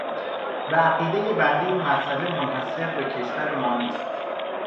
به عقیده بنده این مسئله منحصر به کشور ما نیست.